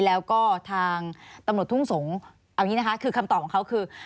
แล้วก็ทางตำรวจทุ่งสงศ์เอาอย่างนี้นะคะคือคำตอบของเขาคือ